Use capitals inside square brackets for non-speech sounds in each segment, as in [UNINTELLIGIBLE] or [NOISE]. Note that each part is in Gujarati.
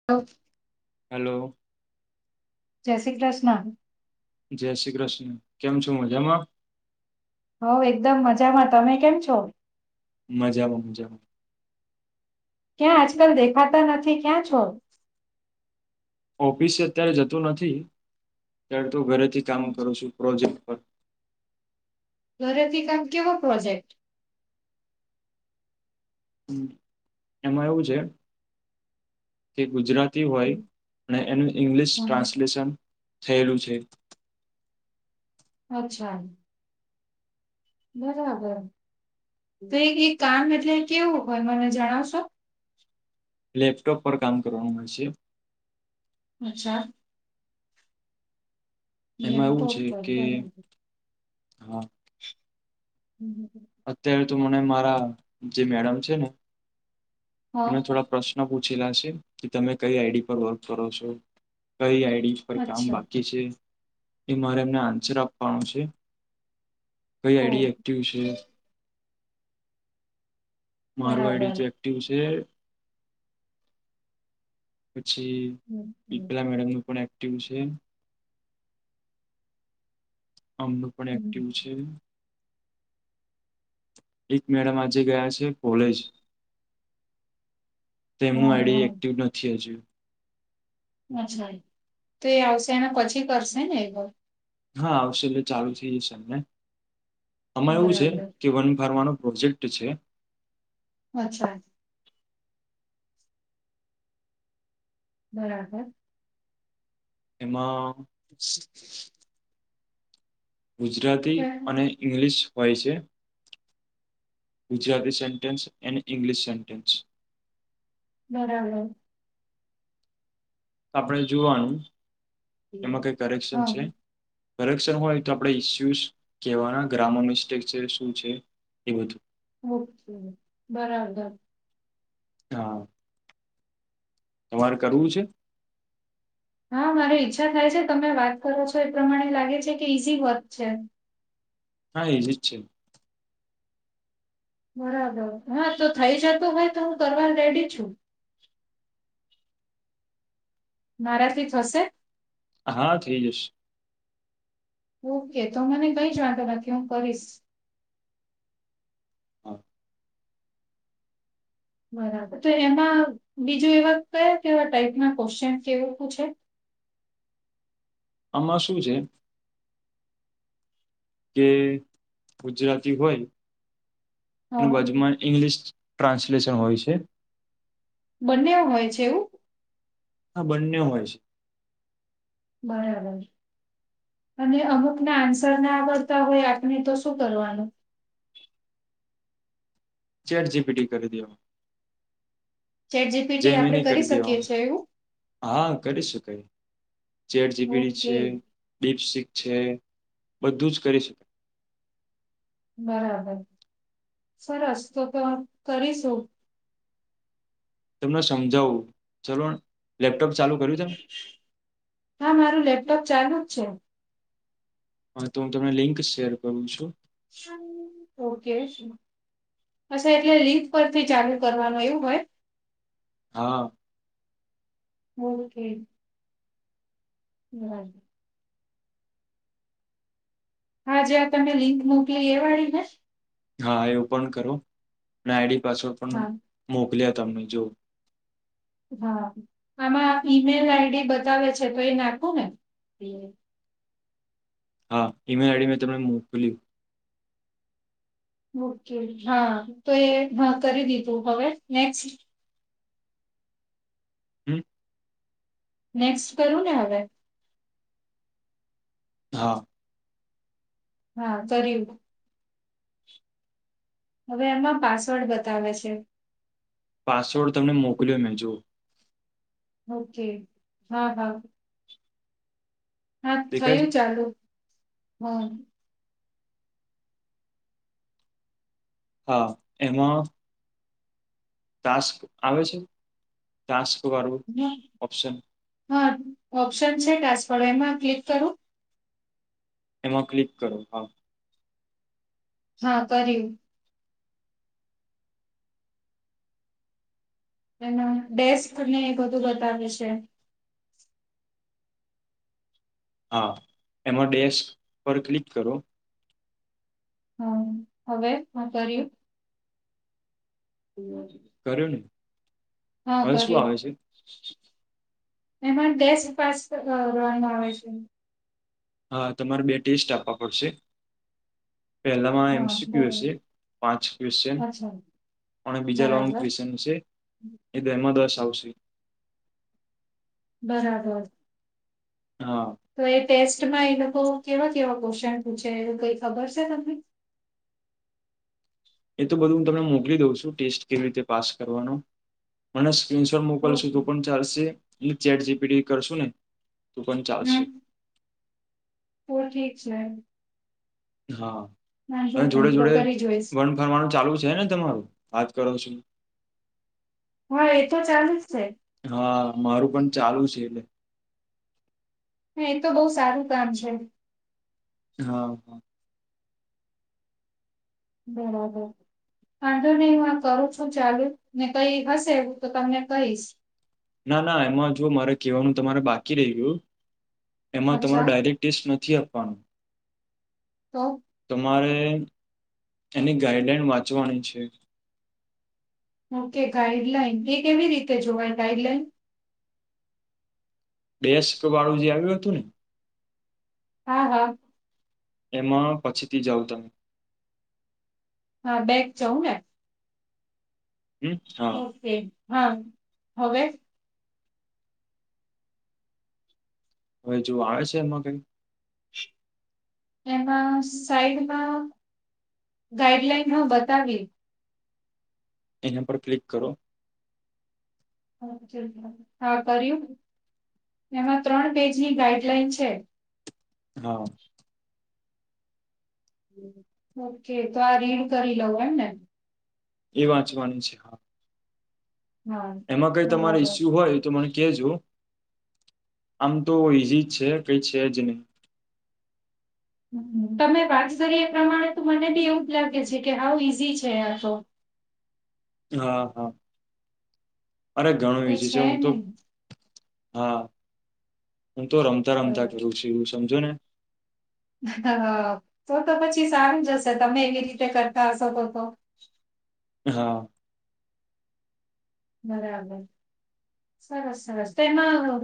[UNINTELLIGIBLE] હાલો. જે શ્રી ક્રષ્ણા. જે શ્રી ક્રષ્ણ, કેમ છો મજામાં? હોવ એકદમ મજામાં, તમે કેમ છો? મજામાં મજામાં. ક્યાં આજકલ દેખાતા નથી, ક્યાં છો? ઓપિસે અત્યારે જતો નથી [UNINTELLIGIBLE] ઘરેથી કામ કરું છું પ્રોજેક્ટ. પર ઘરેથી કામ, કેવો પ્રોજેક્ટ? હમ, એમાં એવું છે કે ગુજરાતી હોય ને એનું ઈંગ્લિશ ટ્રાન્સલેશન થેલું છે. અચ્છા બરાબર તો એ ઈક કામ એટલે કેવું હોય મને જણાવશો. લેપટોપ પર કામ કરવાનું હોય છે. અચ્છા. એમાં એવું લેપટોપ છે પર કે બરાબર. હા. હમ હમ હમ. અત્યારે તો મને મારા જે મેડમ છે ને હા એને થોડા પ્રશ્ ન પૂછેલા છે કે તમે કઈ આઈડી પર વર્ક કરો છો કઈ આઈડી પર કામ અચ્છા બાકી છે એ મારે એમને આન્સર આપાનો છે કઈ ઓ આઈડી એક્ટિવ છે મારુ આઈડી બરાબર જે એક્ટિવ છે પછી હમ, હમ, પિપ્લા મેડમ નું પણ એક્ટિવ છે અમનું પણ હમ. એક્ટિવ છે એક મેડમ આજે ગયા સે કોલેજ તેમનું હા આઈડી હા એક્ટિવ નથી અજુ. અચ્છા એ તો એ આવશે એને પછી કરશે ને એવ. હા આવશે એટલે ચાલુ થઈ જશે એમણે આમા એવું છે બરાબર કે વન ફરવાનો પ્રોજે ક્ટ છે. અચ્છા બરાબર. એમાં ગુજરાતી અને ઇંગ્લિશ હોય છે. ગુજરાતી સેન્ટેન્સ અને ઇંગ્લિશ સેન્ટેન્સ. બરાબર. આપણે જોવાનું, એમાં કઈ કરેક્શન હા છે. કરેક્શન હોય તો, આપણે ઈસ્યુ કેવાના [UNINTELLIGIBLE] મિસ્ટેક છે શું છે. એ. ઓકે, બરાબર. હા. તમારે કરવું છે. હા મારે ઈચ્છા થાય છે, તમે વાત કરો છો એ પ્રમાણે લાગે છે કે ઈઝી વર્ક છે. હા, ઈજી જ છે. બરાબર, હા તો થઇ જતો હોય તો હું કરવા રેડી છું. મારાથી થશે. હા, થઈ જશ. ઓકે, તો મને કઈ જ વાંધો નથી હું કરીશ. હા. બરાબર, તો એમાં બીજું એવા કેવા કેવા ટાઈપના ક્વેશચન કે એવું પૂછે. આમાં શું છે. કે ગુજરાતી હોય હા [UNINTELLIGIBLE] ઇંગ્લિશ ટ્રાન્સલેશન હોય છે. બંને હોય છે એવું. હા, બંને હોય છે. બરાબર. અને અમુકના આન્સર ના આવડતા હોય આપણે તો શું કરવાનું. ચેટ જીપીટી કરી દેવાનું. ચેટ જીપીટી આપણે જેમીની કરી શકીએ દેવાનું છીએ એવું. હા કરી શકાય, ચેટ જીપીટી ઓકે છે. બિપસિક છે, બધું જ કરી શકાય. બરાબર, સરસ તો તો કરીશું. તમને સમજાવું, ચલો લેપટોપ ચાલુ કર્યું છે. હા મારું લેપટોપ ચાલુ જ છે. હા તો હું તમને લિંક શેર કરું છું. ઓકે. હશે એટલે લીંક પરથી ચાલુ કરવાનું એવુ હોય. હા. [UNINTELLIGIBLE] ના. હા જ્યા તમે લિંક મોકલી એ વાળી ને. હા, એ ઓપન કરો અને આઈડી પાસવર્ડ પણ હા મોકલ્યા તમને જોઓ. હા, આમાં ઈમેલ આઈડી બતાવે છે તો એ નાખું ને. હા, ઈમેલ આઈડી મેં તમને મોકલ્યું. ઓકે, હા તો એ હ કરી દીધું હવે નેક્સ. હમ્મ. નેક્સ્ટ કરું ને હવે. હા. હા કર્યું. હવે આમાં પાસવર્ડ બતાવે છે. પાસવર્ડ તમને મોકલ્યો મેજો. ઓકે હા હા. હા દેખાય થયું છે ચાલુ હમ. હા એમાં ટાસ્ક આવે છે ટાસ્ક વાળું હા ઓપ્શન? હા ઓપ્શન છે ટાસ્ક વાળુ એમાં ક્લિક કરું? એમાં ક્લિક કરો હા. હા કરીયુ. એના ડેસ્ક ને એક બધું બતાવે છે. હા એમાં ડેસ્ક પર ક્લિક કરો. હા હવે હા કર્યું. કર્યું ને? હા હવે શું કયુૅ. આવે છે એમાં ડેસ્ક પાસ કરવાનું આવે છે. હા તમારે બે ટેસ્ટ આપવા પડશે. પહેલામાં હા એમસીક્યૂ હશે બરાબર પાંચ ક્વેશ્ચન. અચ્છા અને બીજા લૉગ બરાબર ક્યુએશન છે એ માં દસ આવશે. બરાબર. હા. તો એ ટેસ્ટ મા એ લોકો કેવા કેવા ક્વેશ્ચન પૂછે એ કઈ ખબર છે તમને. એ તો બધું હું મોકલી દઉં છું ટેસ્ટ કેવી પાસ કરવાનો મને સ્ક્રીન શોટ મોકલો લ તો ઓકે પણ ચાલશે અને ચેટ જીપીટી કરશું ને તો પણ ચાલશે. ઓ ઠીક છે મેમ. હા નહીં જોડે તો જોડે કરી જોઈશ વન ફરવાનું ચાલુ છે ને તમારું વાત કરો છો. હા એ તો ચાલુ જ છે. હા મારું પણ ચાલુ છે એટલે. હ એ તો બહુ સારું કામ છે. હા હા. બરાબર. વાંધો નહી હું આ કરું છું ચાલુ ને કઈ હશે એવું તો તમને કહીશ. ના ના એમાં જો મારે કહેવાનું તમારે બાકી રહી ગયુ એમાં તમારો અચ્છા ડાયરેક્ટ ટેસ્ટ નથી આપવાનો. તો? તમારે એની ગાઈડલાઈન વાંચવાની છે. ઓકે ગાઈડલાઈન એ કેવી રીતે જોવાય ગાઈડલાઈન? ડેસ્ક વાળું જે આવ્યું હતું ને. હા હા. એમાં પછીથી જાાવ તમે. હા બેક જાઉ ને? હમ હા ઓકે હા હવે? હવે જો આવે છે એમાં કઈક? એમાં સાઈડમાં ગાઈડલાઈન હા બતાવી. એના પર ક્લિક કરો. હા કર્યું એમાં ત્રણ પેજની ગાઈડલાઈન છે. હા. ઓકે તો આ રીડ કરી લવ એમ ને એ વાંચવાની છે ખાસ હા એમાં કઈ તમારે ઈસ્યુ બરાબર. હોય તો મને કેજો આમ તો ઈઝી જ છે કઈ છે જ ની તમે વાત કરી એ પ્રમાણે તો મને બી એવું જ લાગે છે કે હાવ ઈઝી છે આ તો હા હા અરે ઘણું કઈ ઈઝી છે હું તો નહી હા હું તો રમતા રમતા કરું બરાબર છું એવું સમજો ને તો તો પછી સારું જ હશે તમે એવી રીતે કરતા હશો તો તો હા બરાબર સરસ સરસ તેમાં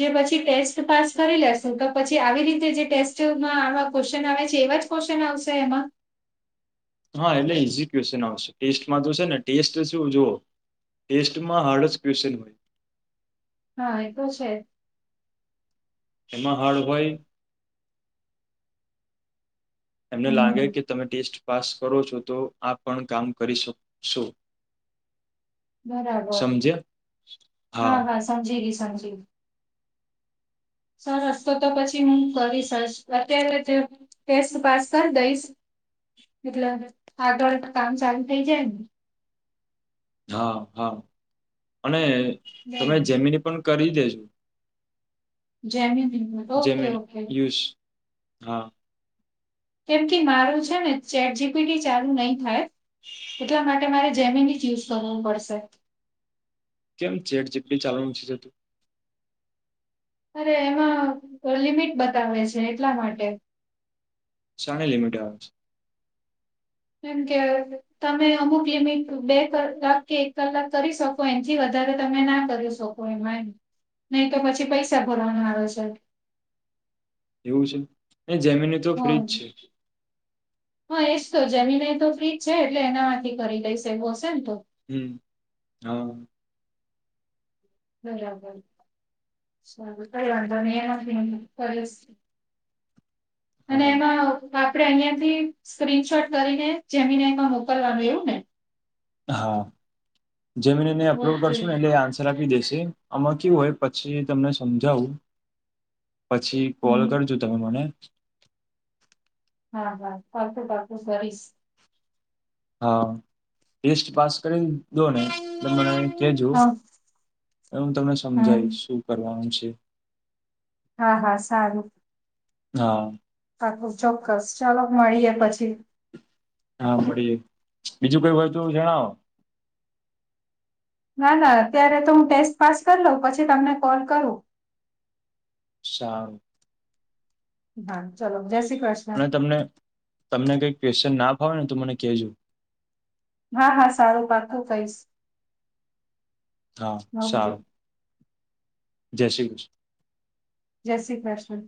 જે પછી ટેસ્ટ પાસ કરી લેસુ તો પછી આવી રીતે જે ટેસ્ટમાં આવા ક્વેશ્ચન આવે છે એવા જ ક્વેસચન આવશે એમાં હા એટલે ઇઝી ક્વેસચન આવશે ટેસ્ટમાં તો છે ને ટેસ્ટ શું જો ટેસ્ટમાં હાર્ડ જ ક્વેશન હોય હા એ તો છે. એમાં હાર્ડ હોય. એમને લાગે હમ કે તમે ટેસ્ટ પાસ કરો છો તો આ પણ કામ કરી શકશો. બરાબર સમજ્યા હા હા સમજી ગઈ સમજી ગઈ સરસ તો તો પછી હું કરી સરસ અત્યારે જે ટેસ્ટ પાસ કર દઈશ એટલે આગળ કામ ચાલુ થઇ જાયને. હા હા અને ને તમે જેમિની પણ કરી દેજો Gemini okay Jamie okay use હા કેમ કે મારો છે ને ચેટ જીપીટી ચાલુ નહી થાય. એટલા માટે મારે જેમીન યુઝ કરવુ પડશે કેમ ચેટ જીપીટી ચાલુ નથી થતું અરે એમાં લિમિટ બતાવે છે એટલા માટે શાનિ લિમિટ આવે છે. જેમકે તમે અમુક લિમિટ બે કલાક કે એક કલાક કરી શકો એનથી વધારે તમે ના કરી શકો એમાંય નહી તો પછી પૈસા ભરવાનું આવે છે એવું છે જે મી ની તો ફ્રી જ છે [UNINTELLIGIBLE] હા એજ તો જે મી નાઈ તો ફ્રી જ છે એટલે એનામાંથી કરી દઈશે એવુ હશે ન તો હમ્મ હા બરાબર કરી વાંધો નય [UNINTELLIGIBLE] અને હા એમાં આપડે અહિયાં થી સ્ક્રીનશોટ કરીને જે મી નાઈ માં મોકલવાનું એવું ને હા જે મી નાઈ અપલોડ ઓકે કરશું ને એટલે આનશર આપી દેશે આમાં કેવું હોય પછી તમને સમજાવું પછી કોલ હમ કરજો તમે મને હા હા પાક્કું પાક્કું કરીશ હા ટેસ્ટ પાસ કરી દો નેએટલે મને કેજો હા એ હું તમને હમ સમજાઈશ શું કરવાનું છે. હા હા સારું. હા... પાક્કું ચોક્કસ ચાલો મળીએે પછી. હા મળીએ બીજું કઈ હોય તો જણાવો. ના ના અત્યારે તો હું ટેસ્ટ પાસ કરી લઉં પછી તમને કોલ કરું. સારું... હા ચલો જય શ્રી કૃષ્ણ. અને તમને તમને કઈ ક્વેશ્ચન ના ફાવે ને તો મને કહેજો. હા હા સારું પાકું કઈશ. હા ઓકે સારું. જય શ્રી કૃષ્ણ. જય શ્રી કૃષ્ણ.